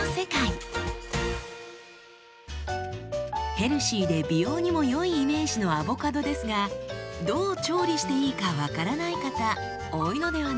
ヘルシーで美容にも良いイメージのアボカドですがどう調理していいか分からない方多いのではないでしょうか？